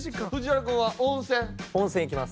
温泉行きます。